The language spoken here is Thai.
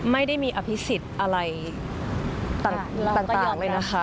ไม่ได้มีอภิษฎอะไรต่างเลยนะคะ